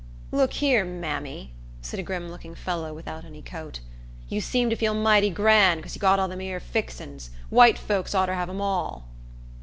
"Look here, mammy," said a grim looking fellow without any coat, "you seem to feel mighty gran' 'cause you got all them 'ere fixens. White folks oughter have 'em all."